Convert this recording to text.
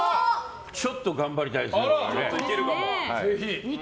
ちょっと頑張りたいです。